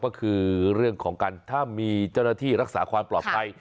ก็คือเรื่องของการถ้ามีเจ้าหน้าที่รักษาความปลอดภัย